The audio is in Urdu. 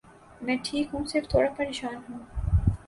میں ٹھیک ہوں، صرف تھوڑا پریشان ہوں۔